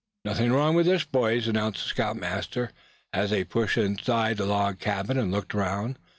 "Nothing wrong with this, boys," announced the scoutmaster, as they pushed inside the log house, and looked around.